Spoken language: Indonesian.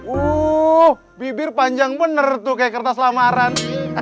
uh bibir panjang bener tuh kayak kertas lamaran